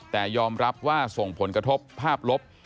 แต่ยอมรับว่าส่งผลกระทบภาพลบ